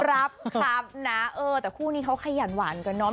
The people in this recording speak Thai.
ครับครับนะเออแต่คู่นี้เขาขยันหวานกันเนาะ